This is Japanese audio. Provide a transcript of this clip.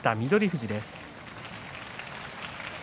翠富士です。